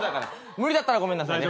無理だったらごめんなさいね。